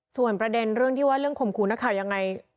ส่วนประเด็นเรื่องที่ว่าเรื่องข่มขู่นักข่าวยังไง